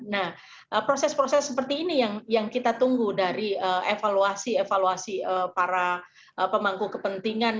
nah proses proses seperti ini yang kita tunggu dari evaluasi evaluasi para pemangku kepentingan